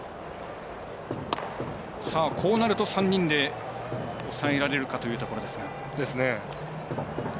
こうなると３人で抑えられるかというところですが。